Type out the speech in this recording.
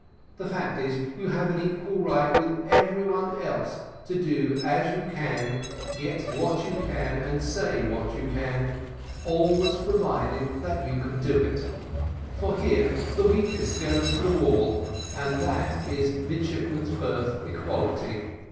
The fact is, you have an equal right with every one else to do as you can, get what you can, and say what you can, always provided that you can do it; for here the weakest goes to the wall, and that is midshipmen's berth equality.